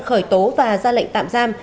khởi tố và ra lệnh tạm giam